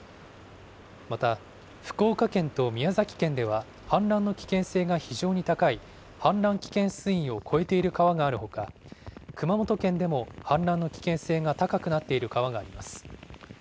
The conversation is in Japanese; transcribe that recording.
また福岡県と宮崎県では、氾濫の危険性が非常に高い氾濫危険水位を超えている川があるほか、熊本県でも氾濫の危険性が高くなっている川があります。